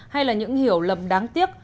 hay là những hiểu lầm đáng tiếc